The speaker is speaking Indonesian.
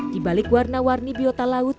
di balik warna warni biota laut